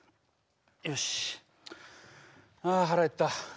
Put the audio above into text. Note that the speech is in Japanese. よしあ腹減った。